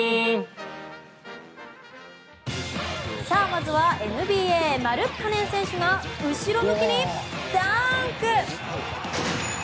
まずは、ＮＢＡマルッカネン選手が後ろ向きにダンク。